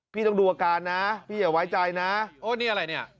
พี่ต้องดูอาการนะพี่อย่าไว้ใจนะโอ้นี่อะไรเนี่ย